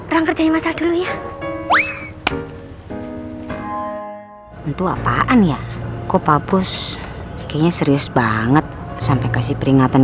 rangkai masa dulu ya itu apaan ya kok papus kayaknya serius banget sampai kasih peringatan